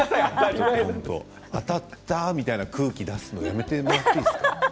当たったみたいな空気を出すのやめていいですか？